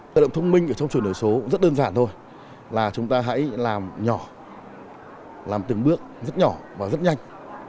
tự động thông minh ở trong chuyển đổi số rất đơn giản thôi là chúng ta hãy làm nhỏ làm từng bước rất nhỏ và rất nhanh